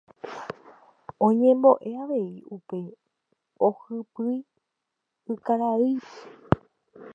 Oñembo'e avei ha upéi ohypýi ykaraipyrépe.